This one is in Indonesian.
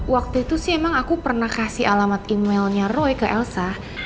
waktu itu sih emang aku pernah kasih alamat emailnya roy ke elsa